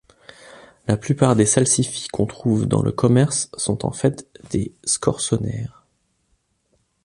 La plupart des salsifis qu'on trouve dans le commerce sont en fait des scorsonères.